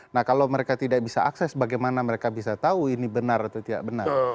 nah kalau mereka tidak bisa akses bagaimana mereka bisa tahu ini benar atau tidak benar